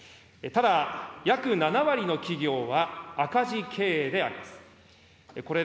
ただ、約７割の企業は赤字経営であります。